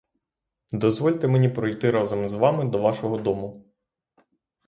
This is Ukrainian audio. Дозвольте мені пройти разом з вами до вашого дому.